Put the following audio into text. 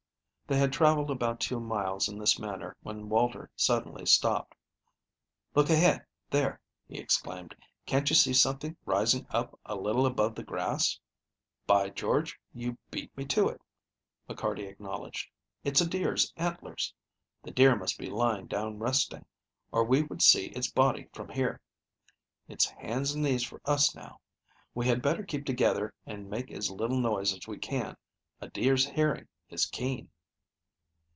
They had traveled about two miles in this manner when Walter suddenly stopped. "Look ahead, there," he exclaimed. "Can't you see something rising up a little above the grass?" "By George, you beat me to it," McCarty acknowledged. "It's a deer's antlers. The deer must be lying down resting, or we would see its body from here. It's hands and knees for us now. We had better keep together and make as little noise as we can. A deer's hearing is keen."